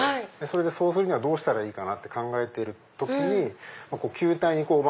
そうするにはどうしたらいいかと考えてる時に球体にこう。